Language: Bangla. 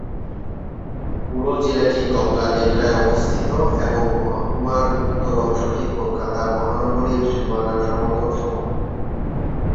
পুরো জেলাটি গঙ্গা ডেল্টায় অবস্থিত এবং মহকুমার উত্তর অংশটি কলকাতার মহানগরীর সীমানা সমতল সমতল।